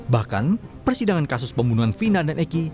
bahkan persidangan kasus pembunuhan vina dan eki